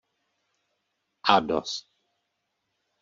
A dost!